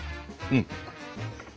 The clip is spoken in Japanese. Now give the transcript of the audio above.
うん。